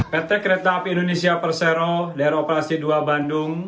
pt kereta api indonesia persero daerah operasi dua bandung